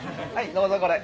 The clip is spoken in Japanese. どうぞこれ。